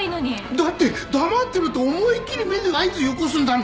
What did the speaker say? だって黙ってろって思いっ切り目で合図よこすんだもん。